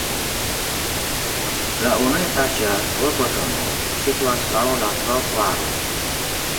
La unuetaĝa urbodomo situas laŭ la trotuaro.